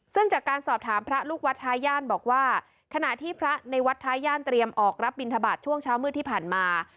ซึ่งจากการสอบถามพระลูกวัดท้าย่านบอกว่าขณะที่พระในวัดท้าย่านเตรียมออกรับบินทบาทช่วงเช้ามืดที่ผ่านมา